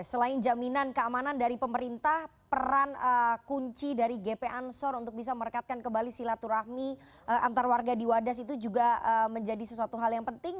selain jaminan keamanan dari pemerintah peran kunci dari gp ansor untuk bisa merekatkan kembali silaturahmi antar warga di wadas itu juga menjadi sesuatu hal yang penting